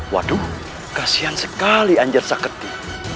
waduh kasihan sekali anjir saketi